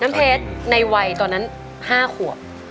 เพชรในวัยตอนนั้น๕ขวบ